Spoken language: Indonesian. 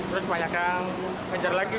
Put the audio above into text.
terus banyak yang ngejar lagi